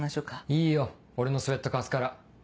いいよ俺のスエット貸すから。